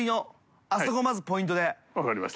分かりました。